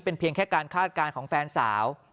เป็นเพียงแค่การคาดการณ์ของแฟนสาว